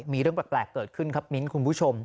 มีเรื่องแปลกเกิดขึ้นครับมิ้นคุณผู้ชม